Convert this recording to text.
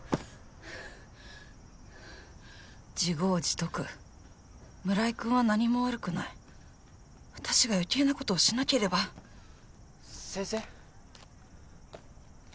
自業自得村井君は何も悪くない私が余計なことをしなければ先生？